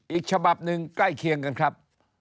อีกฉบับหนึ่งใกล้เคียงกันครับ